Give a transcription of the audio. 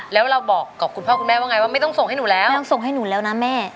แล้วเราบอกกับคุณพ่อคุณแม่ว่าไงว่าไม่ต้องส่งให้หนูแล้วต้องส่งให้หนูแล้วนะแม่